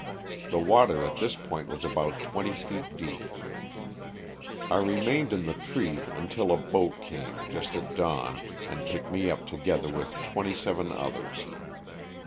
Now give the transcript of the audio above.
The water at this point was about twenty feet deep. I remained in the tree until a boat came, just at dawn, and picked me up together with twenty seven others.